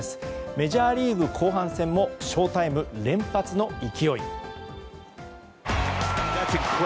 メジャーリーグ後半戦も翔タイム連発の勢い。